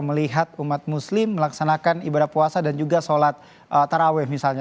melihat umat muslim melaksanakan ibadah puasa dan juga sholat taraweh misalnya